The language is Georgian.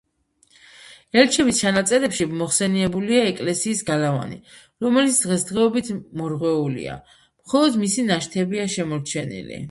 ელჩების ჩანაწერებში მოხსენიებულია ეკლესიის გალავანი, რომელიც დღესდღეობით მორღვეულია, მხოლოდ მისი ნაშთებია შემორჩენილი.